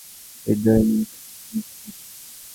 বিদ্রোহী মন কাউকে সামনে পায় না কেন।